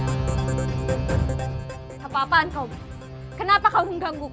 kenapa apaan kau kenapa kau mengganggu